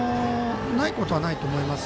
ないことはないと思います。